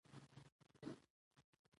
لوستې میندې د کورنۍ روغ ژوند ساتي.